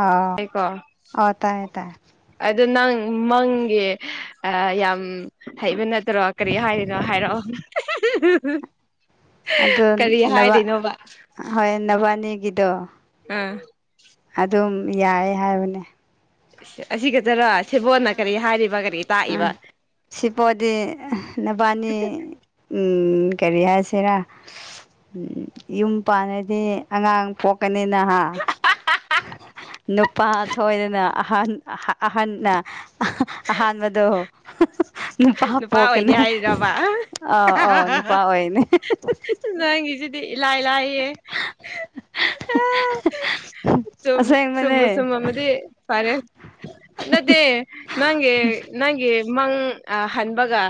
ꯑ ꯑꯣ ꯇꯥꯏꯌꯦ ꯇꯥꯏ ꯑꯗꯣ ꯅꯪ ꯃꯪꯒꯤ ꯌꯥꯝ ꯍꯩꯕ ꯅꯠ ꯅꯠꯇ꯭ꯔꯣ ꯀꯔꯤ ꯍꯥꯏꯔꯤꯅꯣ ꯍꯥꯏꯔꯛꯑꯣ ꯑꯗꯨ ꯀꯔꯤ ꯅꯕ ꯍꯥꯏꯔꯤꯅꯣꯕ ꯍꯣꯏ ꯅꯕꯥꯏꯅꯤꯒꯤꯗꯣ ꯑꯥ ꯑꯗꯨꯝ ꯌꯥꯏ ꯍꯥꯏꯕꯅꯦ ꯑꯁꯤ ꯈꯛꯇꯔꯥ ꯁꯦꯕꯣꯠꯅ ꯀꯔꯤ ꯍꯥꯏꯔꯤꯕ ꯀꯔꯤ ꯎꯝ ꯇꯥꯛꯏꯕ ꯁꯤꯄꯣꯗꯤ ꯅꯕꯥꯅꯤ ꯎꯝ ꯀꯔꯤ ꯍꯥꯏꯁꯤꯔ ꯌꯨꯝ ꯄꯥꯟꯂꯗꯤ ꯑꯉꯥꯡ ꯄꯣꯛꯀꯅꯤꯅꯍꯥ ꯅꯨꯄꯥ ꯁꯣꯏꯗꯅ ꯑꯍꯥꯟ ꯑꯍꯟꯅ ꯑꯍꯥꯟꯕꯗ ꯗꯣ ꯅꯨꯄꯥ ꯑꯣꯏꯗꯤ ꯄꯣꯛꯀꯅꯦ ꯍꯥꯏꯔꯤꯔꯕ ꯑꯥ ꯑ ꯅꯨꯄꯥ ꯑꯣꯏꯅꯤ ꯅꯪꯒꯤꯁꯤꯗꯤ ꯏꯂꯥꯏ ꯂꯥꯏꯌꯦ ꯆꯨꯝ ꯆꯨꯝꯕꯨ ꯑꯁꯦꯡꯕꯅꯦ ꯆꯨꯝꯃꯗꯤ ꯐꯔꯦ ꯅꯠꯇꯦ ꯅꯪꯒꯤ ꯅꯪꯒꯤ ꯃꯡ ꯑ ꯍꯟꯕꯒ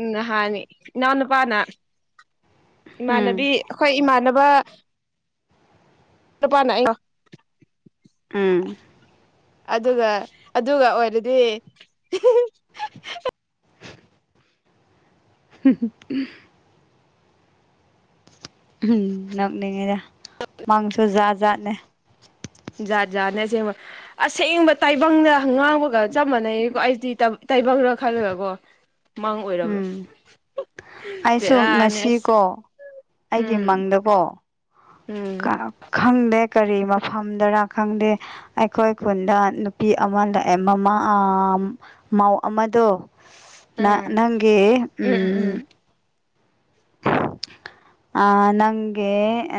ꯎ ꯅꯍꯥꯅꯤ ꯏꯅꯥꯎ ꯅꯨꯨꯄꯥꯅ ꯏꯃꯥꯟꯅꯕꯤ ꯎꯝ ꯑꯩꯈꯣꯏ ꯏꯃꯥꯟꯅꯕ ꯅꯨꯄꯥ ꯑꯩ ꯎꯝ ꯑꯗꯨꯒ ꯑꯗꯨꯒ ꯑꯣꯏꯔꯗꯤ [unintelligible] ꯎꯝ ꯅꯣꯛꯅꯤꯡꯉꯤꯗ ꯃꯡꯁꯨ ꯖꯥꯠ ꯖꯥꯠꯅꯦ ꯖꯥꯠ ꯖꯥꯠꯅꯦ ꯑꯁꯦꯡꯕ ꯑꯁꯦꯡꯕ ꯇꯥꯏꯕꯪꯗ ꯉꯥꯡꯕꯒ ꯆꯞ ꯃꯥꯟꯅꯩꯀꯣ ꯑꯩꯗꯤ ꯇꯥꯏꯕꯪꯂ ꯈꯜꯂꯒꯀꯣ ꯃꯥꯡ ꯑꯣꯏꯔꯝꯃꯦ ꯎꯝ ꯑꯩꯁꯨ ꯉꯁꯤꯀꯣ ꯑꯩꯒꯤ ꯎꯝ ꯃꯪꯗꯀꯣ ꯎꯝ ꯈꯪꯗꯦ ꯀꯔꯤ ꯃꯐꯝꯗꯔ ꯈꯪꯗꯦ ꯑꯩꯈꯣꯏ ꯈꯨꯟꯗ ꯅꯨꯄꯤ ꯑꯃ ꯂꯥꯛꯑꯦ ꯃꯃꯥ ꯑꯥ ꯃꯧ ꯑꯃꯗꯣ ꯎꯝ ꯅꯪꯒꯤ ꯎꯝ ꯑ ꯅꯪꯦ ꯎ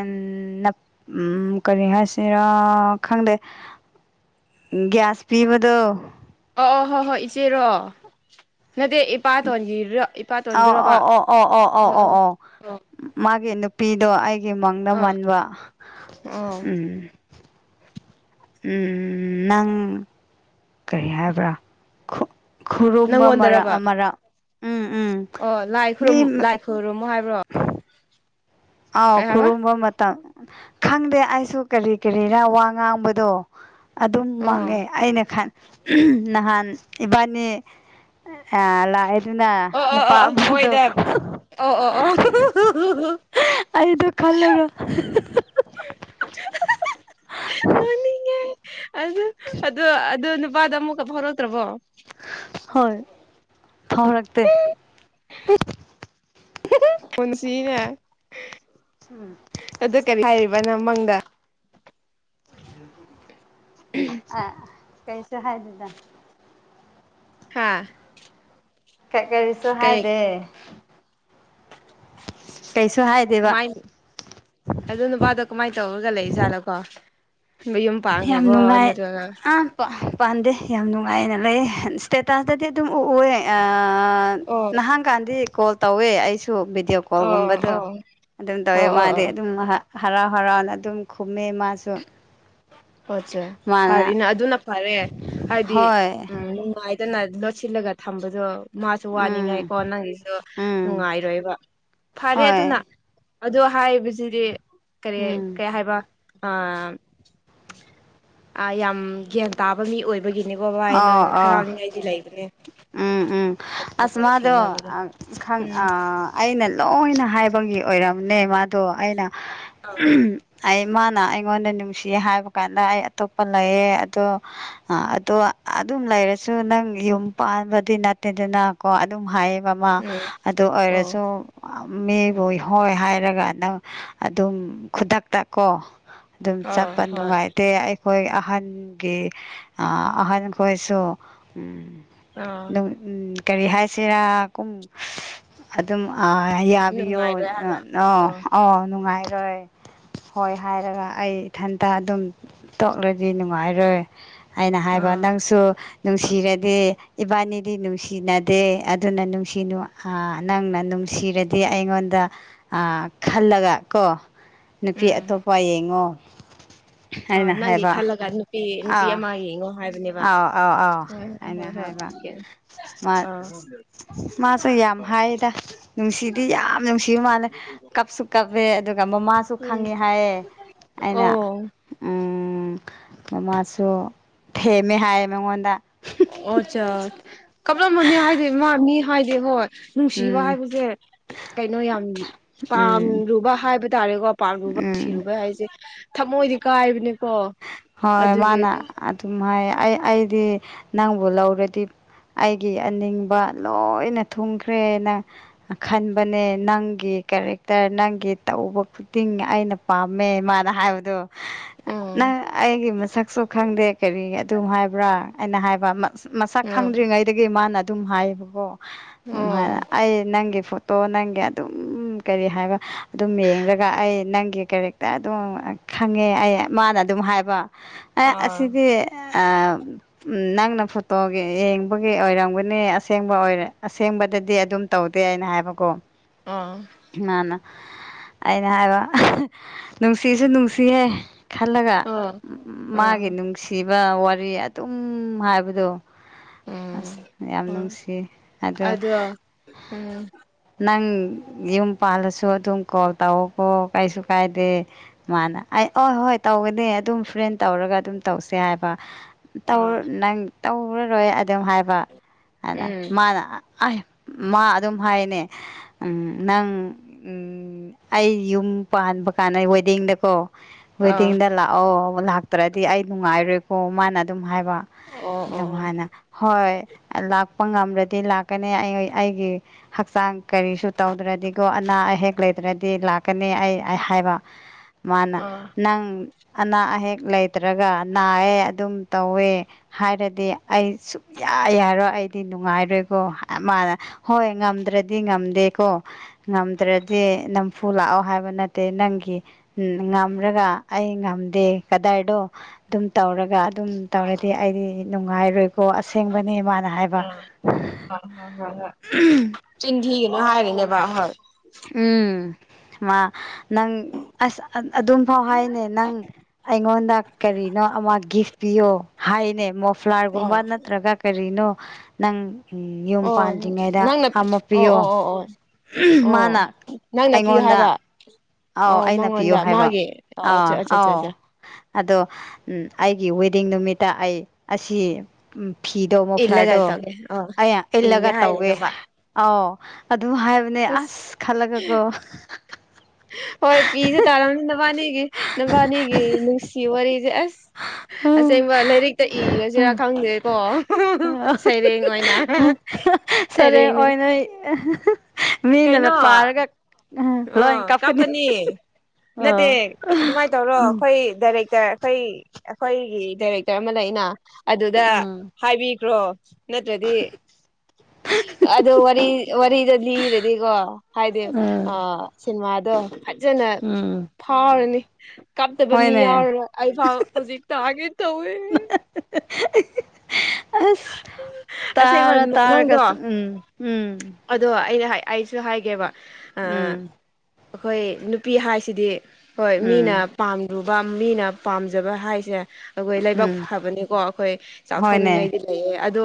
ꯎꯝ ꯀꯔꯤ ꯍꯥꯏꯁꯤꯔꯥ ꯈꯪꯗꯦ ꯒ꯭ꯌꯥꯁ ꯄꯤꯕꯗꯣ ꯑꯣ ꯑꯣ ꯍꯣ ꯍꯣꯏ ꯏꯆꯦꯔꯣ ꯅꯠꯇꯦ ꯏꯄꯥꯇꯣꯟꯒꯤꯣ ꯑꯥꯎ ꯑꯥꯎ ꯑꯣ ꯑꯣ ꯑꯣ ꯑꯣ ꯑꯣ ꯑꯣ ꯃꯥꯒꯤ ꯅꯨꯄꯤꯗꯣ ꯑꯩ ꯒꯤ ꯃꯪꯗ ꯑꯥ ꯃꯟꯕ ꯑꯣ ꯎꯝ ꯎꯝ ꯎꯝ ꯅꯪ ꯀꯔꯤ ꯍꯥꯏꯕ꯭ꯔꯥ ꯈꯨꯔꯨꯝꯕ ꯅꯪꯉꯣꯟꯗꯔꯕ ꯃꯔꯛꯛ ꯎꯝ ꯎꯝ ꯑꯣ ꯂꯥꯏ ꯃꯤ ꯈꯨꯔꯨꯝ ꯂꯥꯏ ꯈꯨꯔꯨꯝꯃꯣ ꯍꯥꯏꯕ꯭ꯔꯣ ꯑꯥꯎ ꯀꯩ ꯍꯥꯏꯕ ꯈꯨꯔꯨꯝꯕ ꯃꯇꯝ ꯈꯪꯗꯦ ꯑꯩꯁꯨ ꯀꯔꯤ ꯀꯔꯤꯅ ꯋꯥ ꯉꯥꯡꯕꯗꯣ ꯑꯗꯨꯝ ꯃꯪꯉꯦ ꯑꯣ ꯑꯩꯅ ꯈꯟ ꯅꯍꯥꯟ ꯏꯕꯥꯅꯤ ꯂ ꯑꯗꯨꯅ ꯑꯣ ꯑꯣ ꯑꯣ ꯅꯨꯄꯥꯝꯕꯗꯣ ꯃꯣꯏꯗ ꯑꯣ ꯑꯣ ꯑꯣ ꯑꯩꯗꯣ ꯈꯜꯂꯒ ꯅꯅꯤꯡꯉ ꯑꯗꯨ ꯑꯗꯨ ꯑꯗꯨ ꯅꯨꯄꯥꯗ ꯑꯃꯨꯛꯀ ꯐꯥꯎꯔꯛꯇ꯭ꯔꯕꯣ ꯍꯣꯏ ꯐꯥꯎꯔꯛꯇꯛꯇꯦ ꯐꯟꯁꯤꯕ ꯍꯥꯏ ꯎꯝ ꯑꯗꯨ ꯀꯔꯤ ꯍꯥꯏꯔꯤꯕꯅ ꯃꯪꯗ ꯎꯝ ꯑ ꯀꯩꯁꯨ ꯍꯥꯏꯗꯗ ꯍꯥꯥ ꯀꯛꯀꯔꯤꯁꯨ ꯍꯥꯏꯗꯦ ꯀꯩꯁꯨ ꯍꯥꯏꯗꯦꯕ ꯀꯃꯥꯏꯅ ꯑ ꯅꯨꯄꯥꯗꯣ ꯀꯃꯥꯏꯅ ꯇꯧꯔꯒ ꯂꯩ ꯖꯥꯠꯅꯣꯀꯣ ꯏꯌꯨꯝ ꯌꯥꯝ ꯅꯨꯡꯉꯥꯏ ꯄꯥꯒ꯭ꯔꯕꯣꯅꯔ ꯑꯥ ꯄꯥꯟꯗꯦ ꯌꯥꯝ ꯅꯨꯡꯉꯥꯏꯅ ꯂꯩ ꯏꯁ꯭ꯇꯦꯇꯥꯁꯇꯗꯤ ꯑꯗꯨꯝ ꯎꯑ ꯑꯣ ꯅꯍꯥꯟ ꯀꯥꯟꯗꯤ ꯀꯣꯜ ꯇꯧꯋꯦ ꯑꯩꯁꯨ ꯚꯗꯤꯑꯣ ꯑꯣ ꯀꯣꯜꯒꯨꯝꯕꯗꯣ ꯑꯣ ꯑꯗꯨꯝ ꯇꯧꯋꯦ ꯑꯣ ꯑꯣ ꯃꯥꯗꯤ ꯑꯣ ꯑꯗꯨꯝ ꯍꯔꯥꯎ ꯍꯔꯥꯎꯅ ꯑꯗꯨꯝ ꯈꯨꯝꯃꯦ ꯃꯥꯁꯨ ꯑꯣ ꯑꯆꯥꯦ ꯃꯥꯅ ꯐꯔꯤꯅꯦ ꯑꯗꯨꯅ ꯐꯔꯦ ꯍꯥꯏꯗꯤ ꯍꯣꯏ ꯎꯝꯅꯨꯡꯥꯏ ꯑꯗꯨꯅꯥ ꯂꯣ ꯁꯤꯂꯒ ꯊꯝꯝꯕꯗꯣ ꯃꯥꯁꯨ ꯎꯝ ꯋꯥꯅꯤꯡꯉꯥꯏꯀꯣ ꯅꯪꯒꯤꯁꯨ ꯎꯝ ꯅꯨꯡꯉꯥꯏꯔꯣꯏꯕ ꯐꯔꯦ ꯑꯗꯨꯅ ꯍꯣꯏ ꯑ ꯍꯥꯏꯕꯁꯤꯗꯤ ꯀꯔꯤ ꯎꯝ ꯀꯩ ꯍꯥꯏꯕ ꯑ ꯌꯥꯝ ꯒ꯭ꯌꯥꯟ ꯇꯥꯕ ꯃꯤ ꯑꯣꯏꯕꯒꯤꯅꯤꯀꯣ ꯕꯥꯥꯏ ꯅꯪ ꯑꯣ ꯑꯣ ꯍꯔꯥꯎꯂꯤꯉꯩꯗꯤ ꯂꯩꯕꯅꯦ ꯎꯝ ꯎꯝ ꯑꯗꯨꯒꯨꯝꯕ ꯑꯁꯃꯗꯣ ꯊꯦꯡꯅꯕꯗꯣ ꯈꯪ ꯎꯝ ꯑꯩꯅ ꯂꯣꯏꯅ ꯍꯥꯏꯕꯒꯤ ꯑꯣꯏꯔꯝꯅꯦ ꯃꯥꯗꯣ ꯑꯩꯅ ꯑꯥ ꯑꯩ ꯃꯥꯅ ꯑꯩꯉꯣꯟꯗ ꯅꯨꯡꯁꯤ ꯍꯥꯏꯕ ꯀꯥꯟꯗ ꯑꯩ ꯑꯇꯣꯞꯄ ꯂꯩꯌꯦ ꯑꯗꯣ ꯑ ꯑꯗꯣ ꯑꯗꯨꯝ ꯂꯩꯔꯁꯨ ꯅꯪ ꯌꯨꯝ ꯄꯥꯟꯕꯗꯤ ꯅꯠꯇꯦꯗꯅ ꯀꯣ ꯑꯗꯨꯝ ꯍꯥꯏꯌꯦꯕ ꯑꯃ ꯎꯝ ꯑꯗꯨ ꯑꯣ ꯑꯣꯏꯔꯁꯨ ꯃꯤꯕꯨ ꯍꯣꯏ ꯍꯥꯏꯔꯒ ꯑꯗꯨꯝ ꯑꯗꯨꯝ ꯈꯨꯗꯛꯇ ꯀꯣ ꯑꯗꯨꯝ ꯑꯥ ꯆꯠꯄ ꯍꯣꯏ ꯅꯨꯡꯉꯥꯏꯇꯦ ꯑꯩꯈꯣꯏ ꯑꯍꯟꯒꯤ ꯑꯍꯟ ꯑꯩꯈꯣꯏꯁꯨꯝ ꯑꯥ ꯀꯔꯤ ꯍꯥꯏꯁꯤꯔꯥꯨꯡ ꯑꯗꯨꯝ ꯌꯥꯕꯤꯌꯣ ꯅꯨꯡꯉꯥꯏꯔꯣꯏ ꯍꯥꯏꯕ ꯑ ꯑꯥ ꯑ ꯅꯨꯡꯉꯥꯏꯔꯣꯏ ꯍꯣꯏ ꯍꯥꯏꯔꯒ ꯑꯩ ꯏꯊꯟꯇ ꯑꯗꯨꯝ ꯇꯣꯛꯂꯗꯤ ꯅꯨꯡꯉꯥꯏꯔꯣꯏ ꯑꯩꯅ ꯍꯥꯏꯕ ꯑꯥ ꯅꯪꯁꯨ ꯑꯥ ꯅꯨꯡꯁꯤꯔꯗꯤ ꯏꯕꯥꯅꯤꯗꯤ ꯅꯨꯡꯁꯤꯅꯗꯦ ꯑꯗꯨꯅ ꯅꯨꯡꯁꯤꯅꯨ ꯅꯪꯅ ꯅꯨꯡꯁꯤꯔꯗꯤ ꯑꯩꯉꯣꯟꯗ ꯈꯜꯂꯒ ꯀꯣ ꯅꯨꯄꯤ ꯎꯝ ꯑꯇꯣꯞꯄ ꯌꯦꯡꯉꯣ ꯑ ꯑꯩꯅ ꯅꯪꯒꯤ ꯍꯥꯏꯕ ꯈꯜꯂꯒ ꯅꯨꯄꯤ ꯅꯨꯄꯤ ꯑꯥ ꯑꯃ ꯌꯦꯡꯉꯣ ꯍꯥꯏꯕꯅꯦꯕ ꯑꯥꯎ ꯑꯥꯎ ꯑꯥꯎ ꯍꯣꯏ ꯍꯣꯏ ꯑꯩꯅ ꯍꯣꯏ ꯍꯥꯏꯕ ꯍꯣꯏ ꯃꯥ ꯑꯥ ꯃꯥꯁꯨ ꯌꯥꯝ ꯍꯥꯏꯗ ꯅꯨꯡꯁꯤꯗꯤ ꯌꯥꯝ ꯅꯨꯡꯁꯤꯕ ꯃꯥꯅꯦ ꯀꯞꯁꯨ ꯀꯞꯑꯦ ꯑꯗꯨꯒ ꯃꯃꯥꯁꯨ ꯎꯝ ꯈꯪꯉꯦ ꯍꯥꯏꯌꯦ ꯑꯩꯅ ꯑꯣ ꯎꯝ ꯃꯥꯁꯨ ꯊꯦꯝꯃꯦ ꯍꯥꯏꯌꯦ ꯃꯉꯣꯟꯗ ꯑꯣ ꯑꯠꯆꯥ ꯀꯞꯂꯝꯝꯕꯅꯤ ꯍꯥꯏꯗꯤꯦ ꯃꯥ ꯃꯤ ꯍꯥꯏꯗꯤꯦ ꯍꯣꯏ ꯅꯨꯡꯁꯤꯕ ꯎꯝ ꯍꯥꯏꯕꯁꯦ ꯀꯩꯅꯣ ꯌꯥꯝ ꯎꯝ ꯄꯥꯝꯔꯨꯕ ꯍꯥꯏꯕ ꯇꯥꯔꯦꯀꯣ ꯄꯥꯝꯂꯨꯕ ꯎꯝ ꯁꯤꯔꯨꯕ ꯍꯥꯏꯁꯦ ꯊꯃꯣꯏꯗꯤ ꯀꯥꯏꯕꯅꯦꯀꯣ ꯍꯣꯏ ꯃꯥꯅ ꯑꯗꯨꯒꯤꯅꯦ ꯑꯗꯨꯝ ꯍꯥꯏ ꯑꯩ ꯑꯩꯗꯤ ꯅꯪꯕꯨ ꯂꯧꯔꯗꯤ ꯑꯩꯒꯤ ꯑꯅꯤꯡꯕ ꯂꯣꯏꯅ ꯊꯨꯡꯈ꯭ꯔꯦꯅ ꯈꯟꯕꯅꯦ ꯅꯪꯒꯤ ꯀꯦꯔꯦꯛꯇꯔ ꯅꯪꯒꯤ ꯇꯧꯕ ꯈꯨꯇꯤꯡ ꯑꯩꯅ ꯄꯥꯝꯃꯦ ꯏꯃꯥꯅ ꯍꯥꯏꯕꯗꯣ ꯎꯝ ꯅꯪ ꯑꯩꯒꯤ ꯃꯁꯛꯁꯨ ꯈꯪꯗꯦ ꯀꯔꯤ ꯑꯗꯨꯝ ꯍꯥꯏꯕ꯭ꯔꯥ ꯑꯩꯅ ꯍꯥꯏꯕ ꯃꯁꯛ ꯎꯝ ꯈꯪꯗ꯭ꯔꯤꯉꯩ ꯑꯗꯒꯤ ꯃꯥꯅ ꯑꯗꯨꯝ ꯍꯥꯏꯌꯦꯕꯀꯣ ꯑꯗꯨꯝ ꯍꯥꯏꯅ ꯎꯝ ꯑꯩ ꯅꯪꯒꯤ ꯐꯨꯠ ꯇꯣ ꯅꯪꯒꯤ ꯑꯗꯨꯝ ꯀꯔꯤ ꯍꯥꯏꯕ ꯑꯗꯨꯝ ꯌꯦꯡꯂꯡꯒ ꯑꯩ ꯅꯪꯒꯤ ꯀ ꯍꯦꯛꯇ ꯑꯗꯨꯝ ꯈꯪꯉꯦ ꯑꯩ ꯃꯥꯅ ꯑꯗꯨꯝ ꯍꯥꯏꯕ ꯑꯦ ꯑꯥ ꯑꯁꯤꯗꯤ ꯑ ꯎꯝ ꯅꯪꯅ ꯐꯣꯇꯣꯒꯤ ꯌꯦꯡꯕꯒꯤ ꯑꯣꯏꯔꯝꯒꯅꯤ ꯑꯁꯦꯡꯕ ꯑꯣꯏꯔ ꯑꯁꯦꯡꯕꯗꯗꯤ ꯑꯗꯨꯝ ꯇꯧꯗꯦ ꯑꯅ ꯍꯥꯏꯕꯀꯣ ꯑꯥ ꯃꯥꯅ ꯑꯩꯅ ꯍꯥꯏꯕ ꯅꯨꯡꯁꯤꯁꯨ ꯅꯨꯡꯁꯤꯍꯦ ꯈꯜꯂꯒ ꯑꯥ ꯎ ꯃꯥꯒꯤ ꯑꯥ ꯅꯨꯡꯁꯤꯕ ꯋꯥꯔꯤ ꯑꯗꯨꯝ ꯍꯥꯏꯕꯗꯣ ꯑꯁ ꯎꯝ ꯌꯥꯝ ꯎꯝ ꯅꯨꯡꯁꯤ ꯑꯗꯣ ꯎꯝ ꯅꯪ ꯌꯨꯝ ꯄꯥꯜꯂꯁꯨ ꯑꯗꯨꯝ ꯀꯣꯜ ꯇꯧꯀꯣ ꯀꯩꯁꯨ ꯀꯥꯏꯗꯦ ꯃꯥꯅ ꯑꯩ ꯍ ꯍꯣꯏ ꯇꯧꯒꯅꯤ ꯑꯗꯨꯝ ꯐ꯭ꯔꯦꯟ ꯇꯧꯔꯒ ꯑꯗꯨꯝ ꯇꯧꯁꯦ ꯍꯥꯏꯕ ꯇꯧ ꯑꯥ ꯅꯪ ꯇꯧꯔꯔꯣꯏ ꯑꯗꯨꯝ ꯍꯥꯏꯕ ꯑꯗꯨꯅ ꯎꯝ ꯃꯥꯅ ꯃꯥ ꯑꯗꯨꯝ ꯍꯥꯏꯅꯦ ꯅꯪ ꯎꯝ ꯑꯩ ꯌꯨꯝ ꯄꯟꯕ ꯀꯥꯟꯅ ꯋꯦꯗꯤꯡꯗꯀꯣ ꯑꯥ ꯋꯦꯗꯤꯡꯗ ꯂꯥꯛꯑꯣ ꯂꯥꯛꯇ꯭ꯔꯗꯤ ꯑꯩ ꯅꯨꯡꯉꯥꯏꯔꯣꯏꯀꯣ ꯃꯥꯅ ꯑꯗꯨꯝ ꯍꯥꯏꯕ ꯑꯣ ꯑꯗꯨꯝ ꯑꯣ ꯍꯥꯏꯥꯏꯅ ꯍꯣꯏ ꯂꯥꯛꯄ ꯉꯝꯃ꯭ꯔꯗꯤ ꯂꯥꯛꯀꯅꯤ ꯑꯩ ꯑꯩꯒꯤ ꯍꯛꯆꯥꯡ ꯀꯔꯤꯁꯨ ꯇꯧꯗ꯭ꯔꯗꯤꯒꯣ ꯑꯅꯥ ꯑꯌꯦꯛ ꯂꯩꯇ꯭ꯔꯗꯤ ꯂꯥꯛ ꯅꯤ ꯑꯩ ꯑꯥ ꯍꯥꯏꯕ ꯃꯥꯅ ꯑꯥ ꯅꯪ ꯑꯅꯥ ꯑ ꯍꯦꯛ ꯂꯩꯇ꯭ꯔꯒ ꯅꯥꯌꯦ ꯑꯗꯨꯝ ꯇꯧꯋꯦ ꯍꯥꯏꯔꯗꯤ ꯑꯩ ꯁꯨꯡꯛꯌꯥ ꯌꯥꯔꯣꯏ ꯑꯩꯗꯤ ꯅꯨꯡꯉꯥꯏꯔꯣꯏꯀꯣ ꯃꯥꯅ ꯍꯣꯏ ꯉꯝꯗ꯭ꯔꯗꯤ ꯉꯝꯗꯦꯀꯣ ꯉꯝꯗ꯭ꯔꯗꯤ ꯅꯝꯐꯨ ꯂꯥꯛꯑꯣ ꯍꯥꯏꯕ ꯅꯠꯇꯦ ꯅꯪꯒꯤ ꯎꯝ ꯉꯝꯔꯒ ꯑꯩ ꯉꯝꯗꯦ ꯀꯗꯥꯏꯗꯣ ꯑꯗꯨꯝ ꯇꯧꯔꯒ ꯑꯗꯨꯝ ꯑꯥ ꯇꯧꯔꯗꯤ ꯑꯩꯗꯤ ꯅꯨꯡꯉꯥꯏꯔꯣꯏꯀꯣ ꯑꯁꯦꯡꯕꯅꯦ ꯃꯥꯅ ꯍꯥꯏꯕ ꯍ ꯍꯣꯏ ꯍꯣꯏ ꯍꯣꯏ ꯆꯤꯟꯊꯤꯒꯅꯣ ꯍꯥꯏꯔꯤꯅꯦꯕ ꯍꯣꯏ ꯎꯝ ꯃꯥ ꯅꯪ ꯑꯁ ꯑꯗꯨꯝ ꯐꯥꯎ ꯍꯥꯏꯅꯦ ꯅꯪ ꯑꯩꯉꯣꯟꯗ ꯀꯔꯤꯅꯣ ꯑꯃ ꯒꯤꯐ ꯄꯤꯌꯣ ꯍꯥꯏꯅꯦ ꯑꯣ ꯃꯣꯐ꯭ꯂꯥꯔꯒꯨꯝꯕ ꯅꯠꯇ꯭ꯔꯒ ꯀꯔꯤꯅꯣ ꯅꯪ ꯌꯨꯝ ꯑꯣ ꯄꯥꯟꯗ꯭ꯔꯤꯉꯩꯗ ꯅꯪꯅ ꯑꯃ ꯑꯣ ꯄꯤꯌꯣ ꯑꯣ ꯑꯣ ꯑꯣ ꯃꯥꯅ ꯅꯪꯅ ꯄꯤꯌꯨ ꯑꯩꯉꯣꯟꯗ ꯍꯥꯏꯕ ꯑꯥꯎ ꯑꯣ ꯑꯩꯅ ꯄꯤꯌꯣ ꯃꯉꯣꯟꯗ ꯍꯥꯏꯕ ꯃꯥꯒꯤ ꯑꯣ ꯑꯥ ꯑꯥꯎ ꯑꯆꯥ ꯑꯗꯣ ꯑꯩꯒꯤ ꯋꯤꯏꯗꯤꯡ ꯅꯨꯃꯤꯠꯇ ꯑꯩ ꯑꯁꯤ ꯎꯝ ꯐꯤꯗꯣ ꯏꯜꯂꯒ ꯃꯣꯐ꯭ꯂꯥꯔꯗꯣ ꯇꯧꯒꯦ ꯑꯣ ꯑꯩ ꯏꯟꯒꯦ ꯏꯜꯂꯒ ꯇꯧꯒꯦ ꯍꯥꯏꯔꯤꯅꯕ ꯑꯥꯎ ꯑꯗꯨꯝ ꯍꯥꯏꯕꯅꯦ ꯑꯁ ꯈꯜꯂꯒꯀꯣ ꯍꯣꯏ ꯄꯤꯁꯦ ꯇꯥꯔꯝꯅꯤ ꯅꯕꯥꯅꯤꯒꯤ ꯅꯕꯥꯅꯤꯒꯤ ꯅꯨꯡꯁꯤ ꯋꯥꯔꯤꯁꯦ ꯑꯁ [unintelligible] ꯑꯁꯦꯡꯕ ꯂꯥꯏꯔꯤꯛꯇ ꯏꯔꯁꯤꯔꯥ ꯈꯪꯗꯦꯀꯣ ꯁꯩꯔꯦꯡ ꯑꯣꯏꯅ ꯁꯔꯦꯡ ꯁꯩꯔꯦꯡꯅꯦ ꯑꯣꯏꯅ ꯑꯣꯏꯅ ꯃꯤꯅꯅ ꯄꯥꯔꯒ ꯂꯣꯏ ꯑꯣ ꯀꯥꯞ ꯀꯥꯞꯀꯅꯤ ꯀꯅꯤ ꯅꯠꯇꯦ ꯑꯣ ꯑꯗꯨꯃꯥꯏꯅ ꯇꯧꯔꯣ ꯎꯝ ꯑꯩꯈꯣꯏ ꯗꯥꯏꯔꯦꯛꯇꯔ ꯑꯩꯈꯣꯏ ꯑꯩꯈꯣꯏꯒꯤ ꯗꯥꯏꯔꯦꯛꯇꯔ ꯑꯃ ꯂꯩꯅ ꯑꯗꯨꯗ ꯎꯝ ꯍꯥꯏꯕꯤꯈ꯭ꯔꯣ ꯅꯠꯇ꯭ꯔꯗꯤ ꯑꯗꯨ ꯋꯥꯔꯤ ꯋꯥꯔꯤꯗ ꯂꯤꯔꯗꯤꯀꯣ ꯍꯥꯏꯗꯤ ꯑ ꯁꯤꯅꯦꯃꯥꯗꯣ ꯐꯖꯅ ꯎꯝ ꯐꯥꯎꯔꯅꯤ ꯀꯥꯞꯇꯕ ꯃꯤ ꯍꯣꯏꯅꯦ ꯌꯥꯎꯔꯣꯏ ꯑꯩꯐꯥ ꯍꯧꯖꯤꯛ ꯇꯒꯦ ꯇꯧꯋꯦꯅꯦ ꯑꯁ ꯑꯁꯦꯡꯕ ꯇꯔ ꯇꯔ ꯅꯪꯗꯣ ꯀꯁ ꯎꯝ ꯎꯝ ꯑꯗꯣ ꯑꯩ ꯑꯩꯁꯨ ꯍꯥꯏꯒꯦꯕ ꯑ ꯎꯝ ꯑꯩꯈꯣꯏ ꯅꯨꯄꯤ ꯍꯥꯏꯁꯤꯗꯤ ꯍꯣꯏ ꯎꯝ ꯃꯤꯅ ꯄꯥꯝꯂꯨꯕ ꯃꯤꯅ ꯄꯥꯝꯖꯕ ꯍꯥꯏꯁꯦ ꯑꯩꯈꯣꯏ ꯂꯩꯥꯏꯕꯛ ꯎꯝ ꯐꯕꯅꯤꯀꯣ ꯑꯩꯈꯣꯏ ꯍꯣꯏꯅꯦ ꯆꯥꯎꯊꯣꯛꯅꯤꯡꯉꯥꯏꯗꯤ ꯂꯩꯌꯦ ꯑꯗꯣ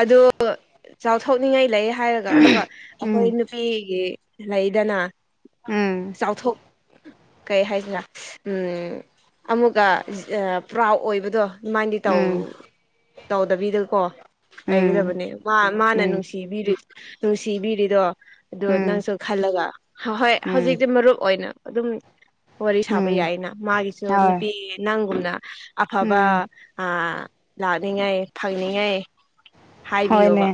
ꯑꯗꯨ ꯆꯥꯎꯊꯣꯛꯅꯤꯡꯉꯥꯏ ꯂꯩ ꯍꯥꯏꯔꯒ ꯑꯃ ꯎꯝ ꯑꯩꯈꯣꯏ ꯅꯨꯄꯤꯒꯤ ꯂꯩꯗꯅ ꯎꯝ ꯆꯧꯎꯊꯣꯛ ꯀꯩ ꯍꯥꯏꯁꯤꯅ ꯑꯃꯨꯛꯀ ꯄ꯭ꯔꯥꯎ ꯑꯣꯏꯕꯗꯣ ꯃꯥꯅꯗꯤ ꯇꯧ ꯎꯝ ꯇꯧꯗꯕꯤꯗꯀꯣ ꯎꯝ ꯂꯩꯒꯗꯕꯅꯦ ꯃꯥ ꯃꯥꯅ ꯎꯝ ꯅꯨꯡꯁꯤ ꯅꯨꯡꯁꯤꯕꯤꯔꯤꯗꯣ ꯑꯗ ꯎꯝ ꯅꯪꯁꯨ ꯈꯜꯂꯒ ꯍꯣꯏ ꯎꯝ ꯍꯧꯖꯤꯛꯇꯤ ꯃꯔꯨꯞ ꯑꯣꯏꯅ ꯑꯗꯨꯝ ꯋꯥꯔꯤ ꯁꯥꯕ ꯎꯝ ꯌꯥꯏꯌꯦꯅ ꯃꯥꯒꯤꯁꯨ ꯍꯣꯏ ꯅꯨꯄꯤ ꯅꯪꯒꯨꯝꯅ ꯑꯐꯕ ꯎꯝ ꯂꯥꯛꯅꯤꯡꯉꯥꯏ ꯐꯪꯅꯤꯡꯉꯥꯏ ꯍꯥꯏꯕꯤꯌꯣꯕ ꯍꯣꯏꯅꯦ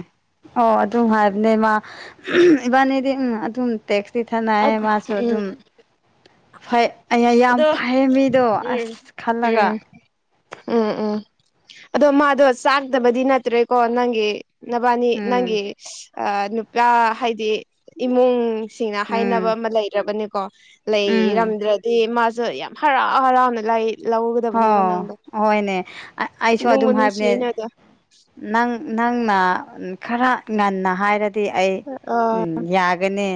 ꯑꯣ ꯑꯗꯨꯝ ꯍꯥꯏꯕꯅꯦ ꯏꯃ ꯏꯕꯥꯅꯤꯗꯤ ꯎꯝ ꯑꯗꯨꯝ ꯇꯦꯛꯁꯤ ꯊꯅꯑꯌꯦ ꯃꯥꯁꯨ ꯎꯝ ꯑꯗꯨꯝ ꯐꯩ ꯑꯩ ꯌꯥꯝ ꯑꯗꯣ ꯐꯩꯌꯦ ꯃꯤꯗꯣ ꯎꯝ ꯑꯁ ꯈꯜꯂꯒ ꯎꯝ ꯎꯝ ꯎꯝ ꯑꯗꯣ ꯃꯥꯗꯣ ꯆꯥꯛꯇꯕꯗꯤ ꯅꯠꯇ꯭ꯔꯦꯀꯣ ꯅꯪꯒꯤ ꯅꯕꯥꯅꯤ ꯎꯝ ꯅꯪꯒꯤ ꯅꯨꯄꯥ ꯍꯥꯏꯗꯤ ꯏꯃꯨꯡꯁꯤꯡꯅ ꯍꯥꯏꯅꯕ ꯎꯝ ꯑꯃ ꯂꯩꯔꯕꯅꯤꯀꯣ ꯎꯝ ꯂꯩꯔꯝꯗ꯭ꯔꯗꯤ ꯃꯥꯁꯨ ꯌꯥꯝ ꯍꯔꯥꯎ ꯍꯔꯥꯎꯅ ꯂꯥꯏ ꯍ ꯂꯧꯒꯗꯕꯅꯤꯀꯣ ꯅꯪꯗꯣ ꯍꯣꯏꯅꯦ ꯑꯩꯁꯨ ꯅꯨꯡꯕꯨ ꯑꯗꯨꯝ ꯍꯥꯏꯕꯅꯦ ꯅꯨꯡꯁꯤꯅꯗ ꯅꯪ ꯅꯪꯅ ꯈꯔ ꯉꯟꯅ ꯍꯥꯏꯔꯗꯤ ꯑꯩ ꯌꯥꯒꯅꯤ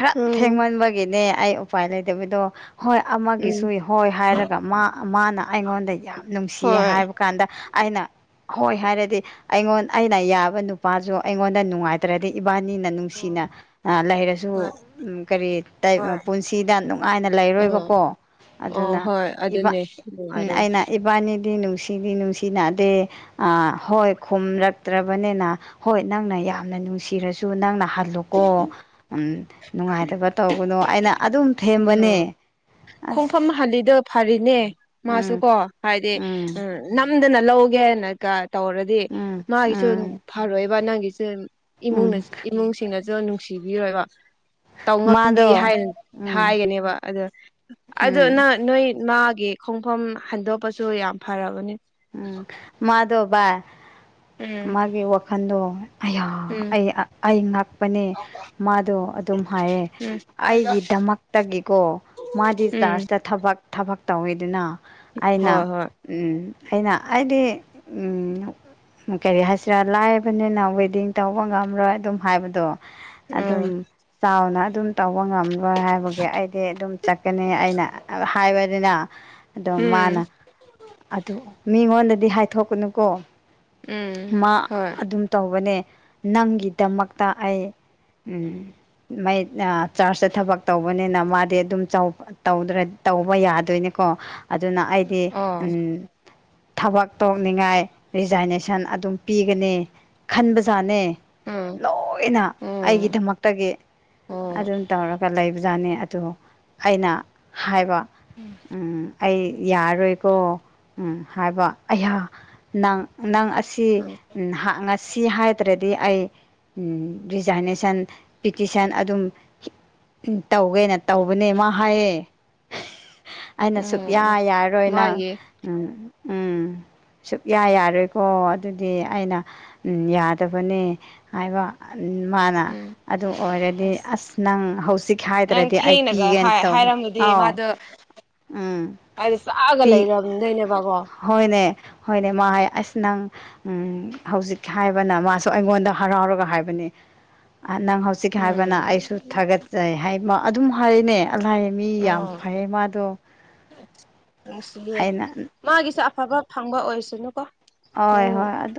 ꯈꯔ ꯎꯝ ꯊꯦꯡꯃꯟꯕꯒꯤꯅꯦ ꯑꯩ ꯎꯄꯥꯏ ꯂꯩꯇꯕꯤꯗꯣ ꯍꯣꯏ ꯑꯃꯒꯤ ꯎꯝ ꯁꯏ ꯍꯣꯏ ꯍꯥꯏꯔꯒ ꯃꯥ ꯃꯥꯅ ꯑꯩꯉꯣꯟꯗ ꯌꯥꯝ ꯅꯨꯡꯁꯤꯌꯦ ꯍꯣꯏ ꯍꯥꯏꯕ ꯀꯗ ꯑꯩꯅ ꯍꯣꯏ ꯍꯥꯏꯔꯗꯤ ꯑꯩꯉꯣꯟ ꯑꯩꯅ ꯌꯥꯕ ꯅꯨꯄꯥꯁꯨ ꯑꯩꯉꯣꯟꯗ ꯅꯨꯡꯉꯥꯏ ꯅꯠꯇ꯭ꯔꯗꯤ ꯏꯕꯥꯅꯤꯅ ꯅꯨꯡꯁꯤꯅ ꯍꯣꯏ ꯂꯩꯔꯁꯨ ꯀꯔꯤ ꯍꯣꯏ ꯄꯨꯟꯁꯤꯗ ꯅꯨꯡꯉꯥꯏꯅ ꯎꯝ ꯂꯩꯔꯣꯏꯕꯀꯣ ꯑꯣ ꯑꯗꯨꯅ ꯍꯣꯏ ꯑꯗꯨꯅꯦ ꯅꯨꯡꯉꯥꯏꯔꯣꯏ ꯑꯩꯅ ꯏꯕꯥꯅꯤꯗꯤ ꯅꯨꯡꯁꯤꯗꯤ ꯅꯨꯡꯁꯤ ꯅꯥꯗꯦ ꯍꯣꯏ ꯈꯨꯝꯂꯛꯇ꯭ꯔꯕꯅꯤꯅ ꯍꯣꯏ ꯅꯪꯅ ꯌꯥꯝꯅ ꯅꯨꯡꯁꯤꯔꯁꯨ ꯅꯪꯅ ꯍꯜꯂꯨꯀꯣ ꯅꯨꯡꯉꯥꯏꯇꯕ ꯇꯒꯅꯣ ꯑꯩꯅ ꯑꯗꯨꯝ ꯎꯝ ꯊꯦꯝꯕꯅꯦ ꯈꯣꯡꯐꯝꯥꯐꯝ ꯑꯁ ꯍꯥꯥꯂꯤꯗ ꯐꯔꯤꯅꯦ ꯃꯥꯁꯨ ꯎꯝ ꯀꯣ ꯍꯥꯏꯗꯤ ꯎꯝ ꯅꯝꯗꯅ ꯂꯧꯒꯦ ꯍꯥꯏꯅꯒ ꯇꯧꯔꯗꯤ ꯗꯤ ꯎꯝ ꯃꯥꯒꯤꯁꯨ ꯎꯝ ꯐꯔꯣꯏꯏꯕ ꯅꯪꯒꯤꯁꯨ ꯏꯃꯨꯡꯅ ꯎꯝ ꯏꯃꯨꯡꯁꯤꯡꯅꯁꯨ ꯅꯨꯡꯁꯤꯕꯤꯔꯣꯏꯕ ꯇꯧꯉꯝꯕꯤ ꯃꯥꯗꯣ ꯍꯥꯏꯅ ꯎꯝ ꯍꯥꯏꯒꯅꯦꯕ ꯑꯗ ꯑꯣ ꯎꯝ ꯅꯪ ꯅꯣꯏ ꯃꯥꯒꯤ ꯈꯣꯡꯐꯝ ꯍꯟꯗꯣꯛꯄꯁꯨ ꯌꯥꯝ ꯐꯔꯕꯅꯤ ꯎꯝ ꯃꯥꯗꯕꯥ ꯎꯝ ꯃꯥꯒꯤ ꯋꯥꯈꯜꯗꯣ ꯑꯩ ꯎꯝ ꯑꯩ ꯉꯥꯛꯄꯅꯦ ꯃꯥꯗꯣ ꯑꯗꯨꯝ ꯍꯥꯏꯌꯦ ꯎꯝ ꯑꯩꯒꯤꯗꯃꯛꯇꯒꯤꯀꯣ ꯃꯥꯗꯤ ꯎꯝ ꯆꯥꯔꯖꯇ ꯊꯕꯛ ꯊꯕꯛ ꯇꯧꯋꯤꯗꯨꯅ ꯑꯩꯅ ꯍꯣꯏ ꯍꯣꯏ ꯎ ꯑꯩꯅ ꯍꯥꯏꯗꯤ ꯀꯔꯤ ꯍꯥꯏꯁꯤꯔꯥ ꯂꯥꯏꯕꯅꯤꯅ ꯋꯦꯗꯤꯡ ꯇꯧꯕ ꯉꯝꯔꯣꯏ ꯑꯗꯨꯝ ꯍꯥꯏꯕꯗꯣ ꯑꯗꯨꯝ ꯎꯝ ꯆꯥꯎꯅ ꯑꯗꯨꯝ ꯇꯧꯕ ꯉꯝꯂꯣꯏ ꯍꯥꯏꯕꯒꯤ ꯑꯩꯗꯤ ꯑꯗꯨꯝ ꯆꯠꯀꯅꯤ ꯑꯩꯅ ꯍꯥꯏꯕꯅꯤꯅ ꯑꯗꯨꯝ ꯃꯥꯅ ꯎꯝ ꯑꯗꯨ ꯃꯤꯉꯣꯟꯗꯗꯤ ꯍꯥꯏꯊꯣꯛꯀꯅꯨꯀꯣ ꯎꯝ ꯃꯥ ꯍꯣꯏ ꯑꯗꯨꯝ ꯇꯧꯕꯅꯦ ꯅꯪꯒꯤꯗꯃꯛꯇ ꯑꯩ ꯎ ꯃꯩ ꯆꯥꯔꯆꯇ ꯊꯕꯛ ꯇꯧꯕꯅꯤꯅ ꯃꯥꯗꯤ ꯑꯗꯨꯝ ꯆꯥꯎ ꯗ꯭ꯔ ꯇꯧꯕ ꯌꯥꯗꯣꯏꯅꯤꯀꯣ ꯑꯗꯨꯅ ꯑꯩꯗꯤ ꯑꯣ ꯊꯕꯛ ꯇꯧꯅꯤꯡꯉꯥꯏ ꯔꯤꯖꯥꯏꯅꯦꯁꯟ ꯑꯗꯨꯝ ꯄꯤꯒꯅꯤ ꯈꯟꯕꯖꯥꯅꯤ ꯎꯝ ꯂꯣꯏꯅ ꯎꯝ ꯑꯩꯒꯤꯗꯃꯛꯇꯒꯤ ꯑꯣ ꯑꯗꯨꯝ ꯇꯧꯔꯒ ꯂꯩꯕꯖꯥꯠꯅꯤ ꯑꯗꯨ ꯑꯩꯅ ꯍꯥꯏꯕ ꯑꯩ ꯌꯥꯔꯣꯏꯀꯣ ꯍꯥꯏꯕ ꯑꯩꯍ ꯅꯪ ꯅꯪ ꯎꯝ ꯑꯁꯤꯛꯉꯁꯤ ꯍꯥꯏ ꯅꯠꯇ꯭ꯔꯗꯤ ꯑꯩ ꯔꯤꯖꯥꯏꯅꯦꯁꯟ ꯄꯤꯇꯤꯁꯟ ꯑꯗꯨꯝ ꯎꯝ ꯇꯧꯒꯦꯅꯦ ꯇꯧꯕꯅꯦ ꯃꯥ ꯍꯥꯏꯌꯦ ꯑꯩꯅ ꯁꯨꯛꯌꯥ ꯎꯝ ꯌꯥꯔꯣꯏꯅ ꯃꯥꯒꯤ ꯎꯝ ꯎꯝ ꯁꯨꯛꯌꯥ ꯌꯥꯔꯣꯏꯀꯣ ꯑꯗꯨꯗꯤ ꯑꯩꯅ ꯎ ꯌꯥꯗꯕꯅꯦ ꯍꯥꯏꯕ ꯃꯥꯅ ꯎꯝ ꯑꯗꯨ ꯑꯣꯏꯔꯗꯤ ꯑꯁ ꯅꯪ ꯍꯧꯖꯤꯛꯀꯤ ꯅꯪ ꯍꯥꯏꯗ꯭ꯔꯗꯤ ꯑꯩ ꯊꯦꯡꯅꯒ ꯄꯤꯒꯦꯅ ꯍꯥꯏ ꯇꯧꯕꯅꯦ ꯑꯥꯎ ꯎꯝ ꯍꯥꯏꯗ ꯆꯥꯛꯒ ꯄꯤ ꯂꯩꯔꯝꯗꯩꯅꯦꯕꯀꯣ ꯍꯣꯏꯅꯦ ꯍꯣꯏꯅꯦ ꯃꯥ ꯑꯁ ꯅꯪ ꯎꯝ ꯍꯧꯖꯤꯛ ꯍꯥꯏꯕꯅ ꯃꯥꯁꯨ ꯑꯩꯉꯣꯟꯗ ꯍꯔꯥꯎꯔꯒ ꯍꯥꯏꯕꯅꯤ ꯅꯪ ꯍꯧꯖꯤꯛꯀꯤ ꯍꯥꯏꯕꯅ ꯎꯝ ꯑꯩꯁꯨ ꯊꯥꯒꯠꯆꯩ ꯍꯥꯏ ꯑꯗꯨꯝ ꯍꯥꯏꯔꯤꯅꯦ ꯑꯂꯥꯏꯌꯦ ꯃꯤ ꯌꯥꯝ ꯐꯩꯌꯦ ꯃꯥꯗꯣ ꯎꯪꯁꯤ ꯌꯥ ꯑꯩꯅ ꯃꯥꯒꯤꯁꯦ ꯑꯐꯕ ꯐꯪꯕ ꯑꯣꯏꯁꯅꯨꯀꯣ ꯍꯣꯏ ꯅꯪ ꯍꯣꯏ ꯑꯗꯨ